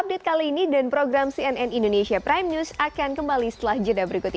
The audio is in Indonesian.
update kali ini dan program cnn indonesia prime news akan kembali setelah jeda berikut ini